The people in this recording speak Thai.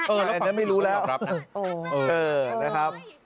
เอออันนั้นไม่รู้แล้วเออนะครับ